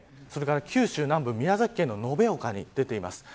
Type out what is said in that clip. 九州南部宮崎県の延岡に出ています。